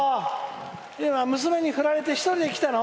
娘に振られて一人で来たの？